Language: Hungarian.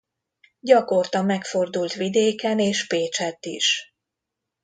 Gyakorta megfordult vidéken és Pécsett is.